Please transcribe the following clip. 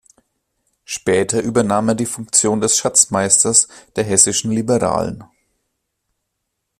Später übernahm er die Funktion des Schatzmeisters der hessischen Liberalen.